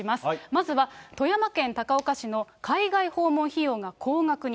まずは富山県高岡市の海外訪問費用が高額に。